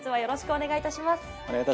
お願いいたします。